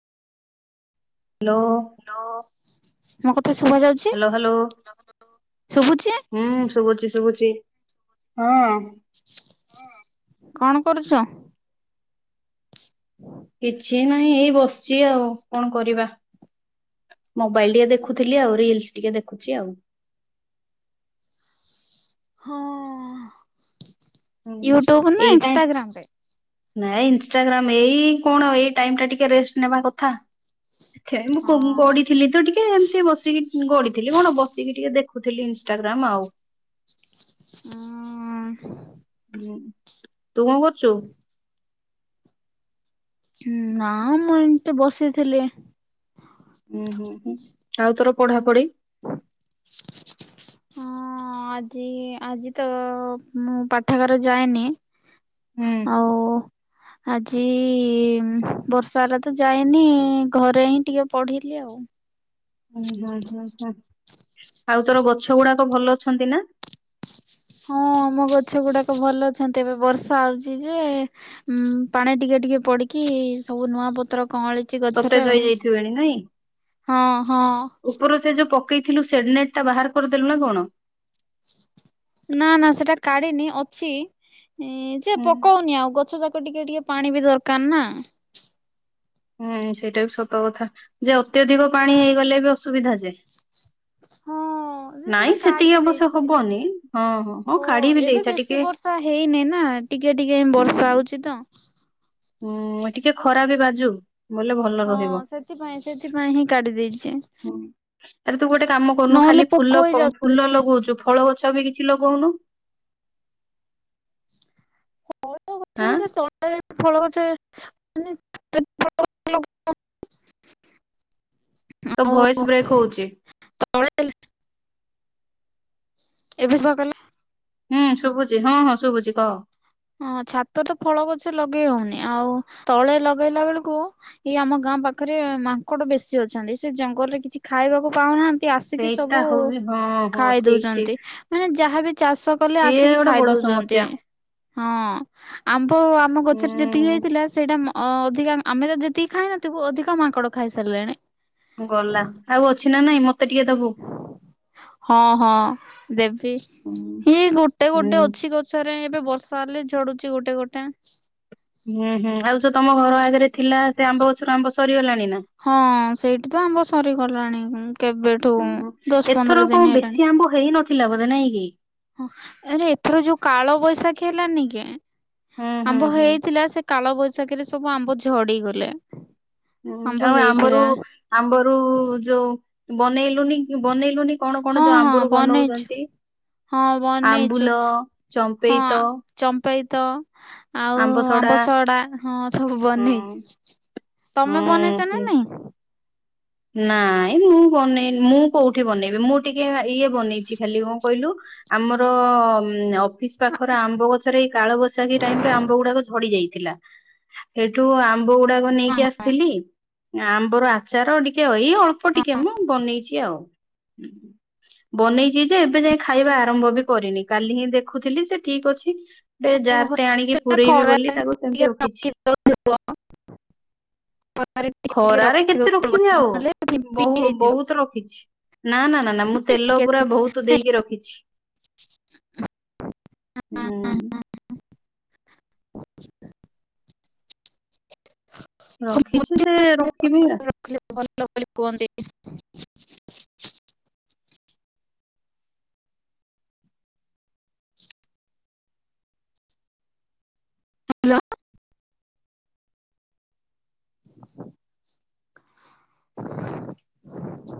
Hello. ମୋ କ hello hello ଶୁଭୁଛି ହୁଁ ଶୁଭୁଚି ଶୁଭୁଚି। ହଁ। କଣ କରୁଚ? କିଛି ନାହିଁ ଏଇ ବସିଚି ଆଉ କଣ କରିବା। ମୋବାଇଲ ଟିକେ ଦେଖୁଥିଲି ଆଉ ରିଲସ୍ ଟିକେ ଦେଖ ରଖୁଚି ଆଉ। ହଁ। ହୁଁ। ୟୁଟ୍ୟୁବ ନା ଏଇଟା ଇନଷ୍ଟାଗ୍ରାମରେ? ନାଇଁ ଇନଷ୍ଟାଗ୍ରାମରେ ଏଇ କଣ ଏଇ ଟାଇମ ଟା ଟିକେ ରେଷ୍ଟ ନେବା କଥା। ଆଛା ମୁଁ ହଁ କଉ ଗଢଥିଲି ତ ଟିକେ। ଟିକେ ବସିକି ଗଢଥିଲି କଣ ବସିକି ଟିକେ ଦେଖୁଥିଲି ଇନଷ୍ଟାଗ୍ରାମ ଆଉ। ହୁଁ। ହୁଁ। ତୁ କଣ କରୁଚୁ? ନା ମୁଁ ଏମିତି ବସିଥିଲି। ଉୁଁ ହୁଁ ହୁଁ ଆଉ ତୋର ପଢାପଢି? ହଁ ଆଜି ଆଜି ତ ମୁଁ ପାଠାଗାର ଯାଏନି। ହୁଁ ଆଉ ଆଜି ବର୍ଷା ହେଲା ତ ଯାଇନି ଘରେ ହିଁ ଟିକେ ପଢିଲି ଆଉ। ହୁଁ ହୁଁ ହୁଁ ହୁଁ। ଆଉ ତୋର ଗଛ ଗୁଡାକ ଭଲ ଅଛନ୍ତି ନା? ହଁ ଆମ ଗଛ ଗୁଡାକ ଭଲ ଅଛନ୍ତି। ଏବେ ବର୍ଷା ହଉଛି ଯେ ଉ ପାଣି ଟିକେ ଟିକେ ପଡିକି ସବୁ ନୂଆ ପତ୍ର କଁଅଳିଛି ସତେଜ ଗଛରେ ଆଉ ହେଇଯାଇଥିବେଣି ନାଇଁ? ହଁ ହଁ। ଉପର ସେ ଯୋଉ ପକେଇଥିଲୁ ସେଡନେଟ ଟା ବାହାର କରିଦେଲୁ ନା କଣ? ନା ନା ସେଟା କାଢିନି ଅଛି। ଇ ଯେ ହୁଁ। ପକଉନି ଆଉ ଗଛ ତ ଟିକେ ଟିକେ ପାଣି ବି ଦରକାର ନା? ହୁଁ ସେଇଟା ବି ସତ କଥା ଯେ ଅତ୍ୟଧିକ ପାଣି ହେଇଗଲେ ବି ଅସୁ ସୁବିଧା ଯେ ହଁ। ହଁ ସେ ନାଇଁ ସେଟା କାଡି ସେତିକି ଅବଶ୍ୟ ଦେଇଛି ହବନି ହଁ ହଁ କାଢି ବି ଏବେ ଦେଇଥା ଟିକେ ବେଶୀ ବର୍ଷା ହେଇନି ନା ଟିକେ ଟିକେ ବର୍ଷା ହଉଛି ତ। ହୁଁ ଟିକେ ଖରା ବି ବାଜୁ। ବୋଲେ ଭଲ ହଁ ରହିବ। ସେଥିପାଇଁ ସେଥିପାଇଁ ହିଁ କାଢି ଦେଇଛି ହଁ ଆରେ ତୁ ଗୋଟେ କାମ କରୁନୁ ନହେଲେ ଖାଲି ପୋକ ଫୁଲ ହେଇଯାଉଛନ୍ତି। ଫୁଲ ସେ। ଲଗଉଛୁ ଫଳ ଗଛ ବି କିଛି ଲଗଉନୁ। [inaudible] ଆଁ ଫଳ ଗଛରେ। [inaudible] ତ ଭଏସ୍ ବ୍ରେକ୍ ହଉଛି। [inaudible] ଏବେ ବା କଲା। ହୁଁ ଶୁଭୁଛି ହଁ ହଁ ଶୁଭୁଛି କହ। ହଁ ଛାତରେ ତ ଫଳ ଗଛ ଲଗେଇ ହଉନି ଆଉ ତଳେ ଲଗେଇଲା ବେଳକୁ ଇ ଆମ ଗାଁ ପାଖରେ ମାଙ୍କଡ ବେଶୀ ଅଛନ୍ତି ସେ ଜଙ୍ଗଲରେ କିଛି ଖାଇବାକୁ ପାଉନାହାନ୍ତି ଆସିକି ସେଇଟା ସବୁ ହଉଛି ହଁ ହଁ ଖାଇ ଠିକ ଠିକ ଦଉଛନ୍ତି ମାନେ ଯାହା ବି ଚାଷ କଲେ ସିଏ ଆସିକି ଗୋଟେ ଖାଇ ବଡ ଦଉଛନ୍ତି। ସମସ୍ୟା। ହଁ ଆମ୍ବ ଆମ ଗଛରେ ଯେତିକି ଉଁ ହେଇଥିଲା ସେଇଟା ଅଧିକା ଆମେ ତ ଯେତିକି ଖାଇନଥିବୁ ଅଧିକ ମାଙ୍କଡ ଖାଇସାରିଲେଣି। ଗଲା ଆଉ ଅଛି ନା ନାଇଁ ମତେ ଟିକେ ଦବୁ। ଦେବ ହୁଁ ଇଏ ଗୋଟେ ଗୋଟେ ଅଛି ହୁଁ ଗଛରେ ବର୍ଷ ସଲେ ଝଡୁଛି ଗୋଟେ ଗୋଟେ। ହୁଁ ହୁଁ ଆଉ ଯୋଉ ତମ ଘର ଆଗରେ ଥିଲା ସେ ଆମ୍ବ ଗଛର ଆମ୍ବ ସରିଗଲା ହଁ ସେଇଠି ତ ଆମ୍ବ ସରିଗଲାଣି କେବେଠୁ ହୁଁ ହୁଁ ଦଶ ଏଥର ପନ୍ଦର କଣ ଦିନ ହେଲାଣି। ବେଶୀ ଆମ୍ବ ହେଇ ନଥିଲା ବୋଧେ ନାଇଁ କି? ହଁ ଏଥର ଯୋଉ କାଳ ବଇସାଖି ଖେଲାନି କେ ହୁଁ ହୁଁ ଆମ୍ୱ ହୁଁ ହେଇଥିଲା ସେ କାଳ ବୈଶାଖୀରେ ସବୁ ଆମ୍ ବହୁତ ଝଡି ଗଲେ। ହୁଁ ଆଉ ଆମ୍ବରୁ ଆମ୍ବରୁ ଯୋଉ ବନେଇଲି ବନେଇଲୁନି କଣ କଣ ହଁ ଯୋଉ ହଁ ଆମ୍ବରୁ ବନେଇଛୁ ବନଉଛନ୍ତି। ହଁ ବନେଇଛୁ ଆମ୍ବୁଲ, ହଁ ଚମ୍ପେଇତ ଚମ୍ପେଇ ତ ଆଉ ଆମ୍ବ ସଡା ହଁ ସବୁ ହଁ ବନେଇଛି। ହଁ ତମେ ବନେଇଛ ସେ ନା ନାଇଁ। ନାଇଁ ମୁଁ ବନେଇି ମୁଁ କୋଉଠି ବନେଇବି ମୁଁ ଟିକେ ଇଏ ବନେଇଛି ଖାଲି କଣ କହିଲୁ ଆମର ଅଫିସ ପାଖରେ ଆମ୍ବ ଗଛରେ ଏଇ କାଳବୈାଖୀ ଟାଇମ ରେ ଆମ୍ବ ଗୁଡା ଝଡି ଯାଇଛି ଥିଲା ସେଇଠୁ ଆମ ଗୁଡାକ ନେଇକି ଆସିଥିଲି ଆମ୍ବର ଆଚାର ଟିକେ ଏଇ ଅଳ୍ପ ଟିକେ ମୁଁ ବନେଇଛି ଆଉ ବନେଇ ଯିଏ ଯେ ଏବେ ଯାଏ ଖାଇବା ଆରମ୍ଭ ବି କରିନି। କାଲି ହିଁ ଦେଖୁଥିଲି ସେ ଠିକ ଅଛି। ଗୋଟେ ହଁ ଜାରଟେ ଆଣିକି ସେଟା ପୁରଇବି ବୋଲି ଖରାରେ ତାକୁ ଟିକେ ସେମିତି ରଖିଛି। ରଖି ଦଉଥିବ ଖରାରେ ଟିକେ ଟିକେ ଖରାରେ ରଖି କେତେ ଦଉଥିବ ରଖିବି ଆଉ ନହେଲେ ଫିମ୍ପି ବହୁ ହେଇଯିବ ବହୁତ ରଖିଛି ନା ନା ନା ନା ମୁଁ ତେଲ ଟିକେ ପୁରା ବହୁତ ଦେଇକି ରଖିଛି। ହୁଁ। ରଖିଛି ଯେ ରଖିନି ଆ ଲୋକ ଖାଲି କୁଅନ୍ତି। ହ୍ୟାଲୋ